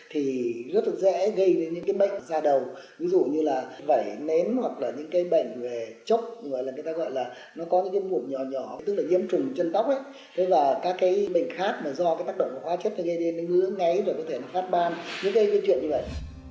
thì rất là dễ gây đến những cái bệnh da đầu ví dụ như là vẩy nến hoặc là những cái bệnh về chốc người ta gọi là nó có những cái mụn nhỏ nhỏ tức là nhiễm trùng chân tóc ấy thế là các cái bệnh khác mà do cái tác động của hóa chất này gây đến nó ngứa ngáy rồi có thể nó phát ban những cái chuyện như vậy